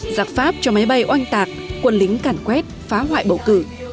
giặc pháp cho máy bay oanh tạc quân lính cản quét phá hoại bầu cử